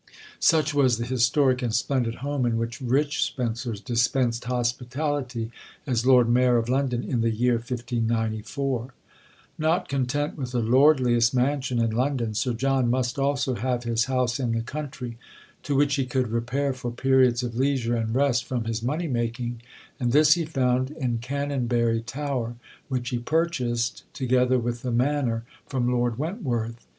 Such was the historic and splendid home in which "Rich Spencer" dispensed hospitality as Lord Mayor of London in the year 1594. Not content with the lordliest mansion in London Sir John must also have his house in the country, to which he could repair for periods of leisure and rest from his money making; and this he found in Canonbury Tower, which he purchased, together with the manor, from Lord Wentworth.